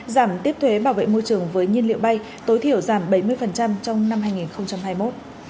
giảm tiếp thuế bảo vệ môi trường với nhiên liệu bay tối thiểu giảm bảy mươi trong năm hai nghìn hai mươi một